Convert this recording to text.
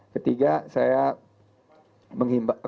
ketiga saya menghidupkan